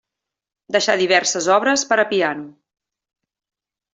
Deixà diverses obres per a piano.